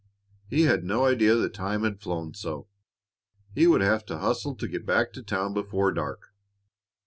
He had no idea the time had flown so. He would have to hustle to get back to town before dark.